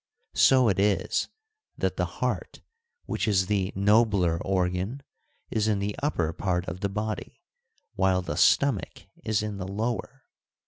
So it is that the heart, which is the nobler organ, is in the upper part of the body, while the stomach is in the lower.